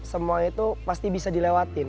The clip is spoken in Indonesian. semuanya itu pasti bisa dilewatin